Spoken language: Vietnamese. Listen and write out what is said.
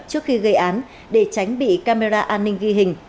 trước khi gây án để tránh bị camera an ninh ghi hình